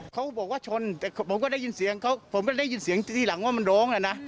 เขาบอกว่าชนแต่ผมก็ได้ยินเสียงเขาผมไม่ได้ยินเสียงทีหลังว่ามันร้องแล้วนะ